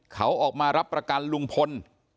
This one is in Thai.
เขาออกมารับประกันลุงพล